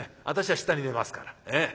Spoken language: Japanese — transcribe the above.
私は下に寝ますから。